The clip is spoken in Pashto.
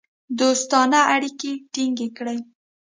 دوستانه اړیکې ټینګ کړې.